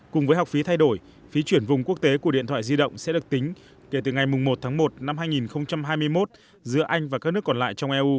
cùng với học phí thay đổi phí chuyển vùng quốc tế của điện thoại di động sẽ được tính kể từ ngày một tháng một năm hai nghìn hai mươi một giữa anh và các nước còn lại trong eu